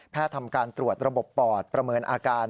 ทำการตรวจระบบปอดประเมินอาการ